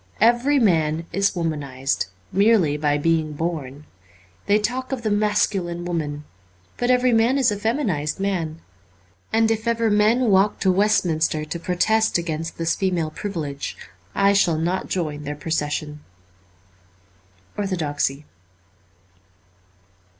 Every man is womanized, merely by being born. They talk of the mascu line woman ; but every man is a feminized man. And if ever men walk to Westminster to protest against this female privilege, I shall not join their procession. ' Orthodoxy.